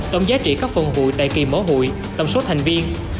tổng giá trị các phần hùi tại kỳ mở hùi tổng số thành viên